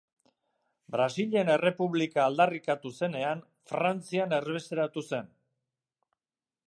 Brasilen errepublika aldarrikatu zenean, Frantzian erbesteratu zen.